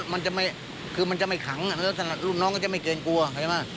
มันจะไม่คือมันจะไม่ขังแล้วสำหรับรุ่นน้องก็จะไม่เกรงกลัวเห็นมั้ย